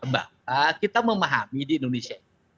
mbak kita memahami di indonesia